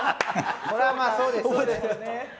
それはまあそうですよね。